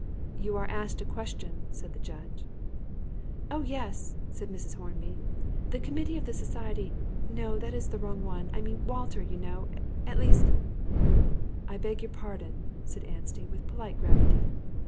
"You are asked a question," said the judge. "Oh! yes," said Mrs. Hornby. "The Committee of the Society no, that is the wrong one I mean Walter, you know at least " "I beg your pardon," said Anstey, with polite gravity.